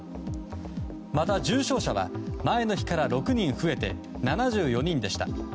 また重症者は前の日から６人増えて７４人でした。